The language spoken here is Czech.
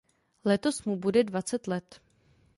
Letos mu bude dvacet let.